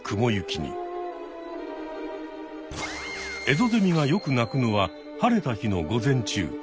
エゾゼミがよく鳴くのは晴れた日の午前中。